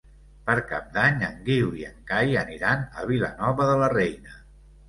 Per Cap d'Any en Guiu i en Cai aniran a Vilanova de la Reina.